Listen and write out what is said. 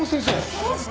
どうして。